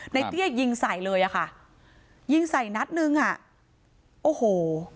เตี้ยยิงใส่เลยอ่ะค่ะยิงใส่นัดนึงอ่ะโอ้โห